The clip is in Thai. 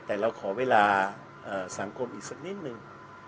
แต่เราขอเวลาสังคมอีกสักนิดนึง